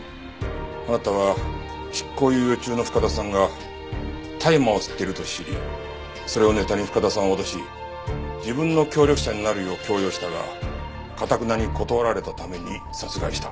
あなたは執行猶予中の深田さんが大麻を吸っていると知りそれをネタに深田さんを脅し自分の協力者になるよう強要したがかたくなに断られたために殺害した。